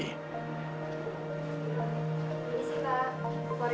ini sih pak